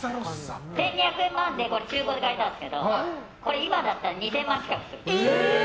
１２００万で中古で買ったんですけど今だったら２０００万近くする。